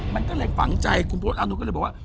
มันก็เลยฝังใจคุณพจน์อานุษก็เลยบอกว่า